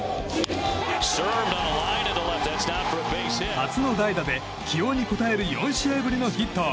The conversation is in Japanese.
初の代打で、起用に応える４試合ぶりのヒット。